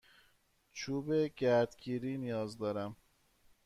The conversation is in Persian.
چوب گردگیری نیاز دارم.